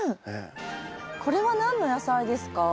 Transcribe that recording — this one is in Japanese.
これは何の野菜ですか？